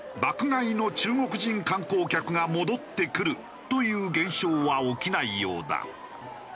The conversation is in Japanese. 買いの中国人観光客が戻ってくるという現象は起きないようだ。